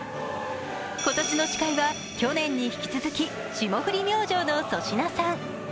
今年の司会は去年に引き続き霜降り明星の粗品さん